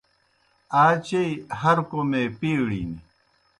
آ چیئی ہر کوْمے پَیڑیِن۔